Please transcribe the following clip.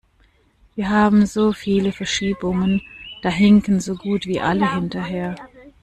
Wir haben so viele Verschiebungen, da hinken so gut wie alle hinterher.